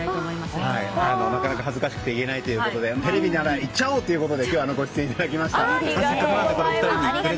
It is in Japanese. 普段はなかなか恥ずかしくて言えないということでテレビで言っちゃおうということでご出演いただきました。